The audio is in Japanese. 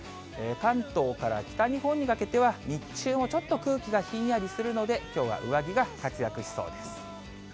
関東から北日本にかけては、日中もちょっと空気がひんやりするので、きょうは上着が活躍しそうです。